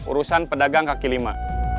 urusan pedagang kaki lima